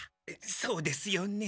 そうですよね。